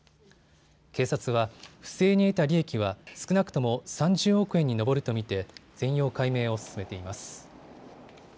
警察は不正に得た利益は少なくとも３０億円に上ると見て全容解明を進めています。